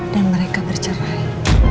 dan mereka bercerai